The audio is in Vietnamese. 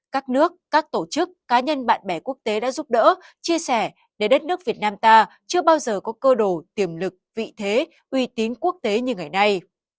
các nước các tổ chức cá nhân bạn bè quốc tế đã giúp đỡ chia sẻ để đất nước việt nam ta chưa bao giờ có cơ đồ tiềm lực vị thế uy tín quốc tế như ngày nay